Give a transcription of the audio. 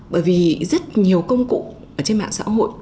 bởi vì rất nhiều công cụ trên mạng xã hội